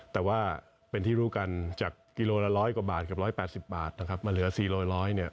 แต่ว่าเป็นที่รู้กันจากกิโลละร้อยกว่าบาทกับ๑๘๐บาทนะครับมาเหลือ๔๐๐เนี่ย